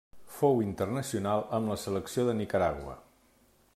Fou internacional amb la selecció de Nicaragua.